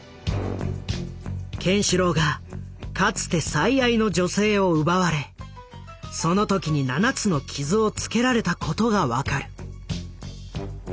ケンシロウがかつて最愛の女性を奪われその時に７つの傷をつけられたことが分かる。